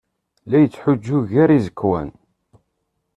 La yettḥuǧǧu gar yiẓekwan.